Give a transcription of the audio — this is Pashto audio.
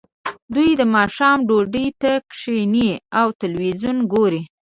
دوی د ماښام ډوډۍ ته کیښني او تلویزیون ګوري